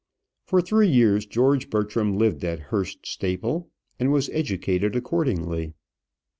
For three years George Bertram lived at Hurst Staple, and was educated accordingly.